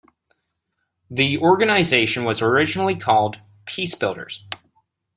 The organization was originally called "Peacebuilders".